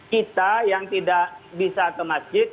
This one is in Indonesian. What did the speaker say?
kita yang tidak bisa ke masjid